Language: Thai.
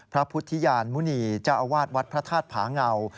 พระพุทธยานมุณีเจ้าอาวาสวัดพระธาตุผาเงา